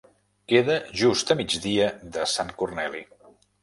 Queda just a migdia de Sant Corneli.